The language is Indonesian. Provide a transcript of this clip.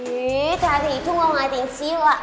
iih tata itu mau ngatain sila